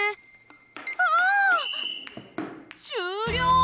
終了。